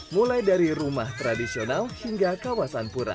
mulai dari rumah tradisional hingga kawasan pura